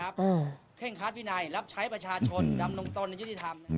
เคร่งคัดวินัยรับใช้ประชาชนดำรงตนในยุติธรรม